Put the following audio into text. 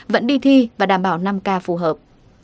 vẫn đi thi và đảm bảo năm k phù hợp